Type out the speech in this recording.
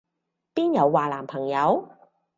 邊有話男朋友？